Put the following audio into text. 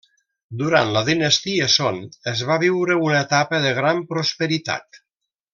Durant la dinastia Son, es va viure una etapa de gran prosperitat.